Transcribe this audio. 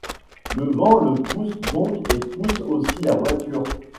Le vent le pousse donc et pousse aussi la voiture.